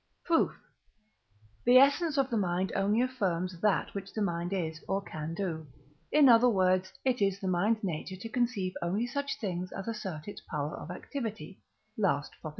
Proof. The essence of the mind only affirms that which the mind is, or can do; in other words, it is the mind's nature to conceive only such things as assert its power of activity (last Prop.).